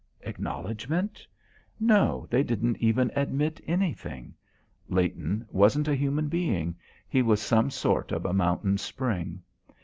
Acknowledgment? No, they didn't even admit anything. Leighton wasn't a human being; he was some sort of a mountain spring.